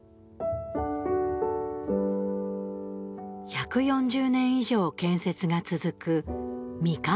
１４０年以上建設が続く未完の聖堂。